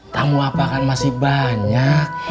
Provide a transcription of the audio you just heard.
tamu apa kan masih banyak